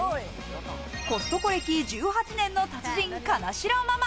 コストコ歴１８年の達人、金城ママ。